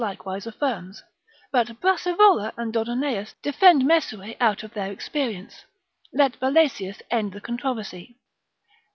likewise affirms; but Brassivola and Dodonaeus defend Mesue out of their experience; let Valesius end the controversy.